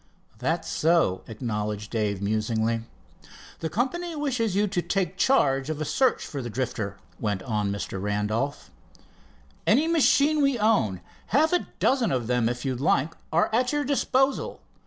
"That's so," acknowledged Dave musingly. "The company wishes you to take charge of a search for the Drifter," went on Mr. Randolph. "Any machine we own, half a dozen of them if you like, are at your disposal.